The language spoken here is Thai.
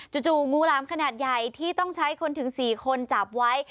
จู่งูหลามขนาดใหญ่ที่ต้องใช้คนถึง๔คนจับไว้